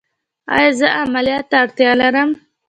ایا زه عملیات ته اړتیا لرم؟